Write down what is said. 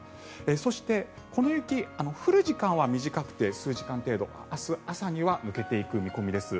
そして、この雪降る時間は短くて数時間程度、明日朝には抜けていく見込みです。